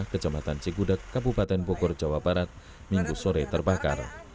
kecamatan cikudek kabupaten bogor jawa barat minggu sore terbakar